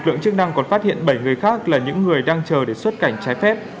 lực lượng chức năng còn phát hiện bảy người khác là những người đang chờ để xuất cảnh trái phép